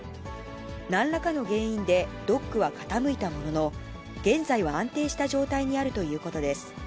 なんらかの原因で、ドックは傾いたものの、現在は安定した状態にあるということです。